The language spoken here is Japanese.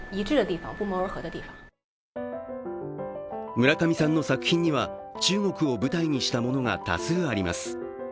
村上さんの作品には中国を舞台にしたものが多数あります。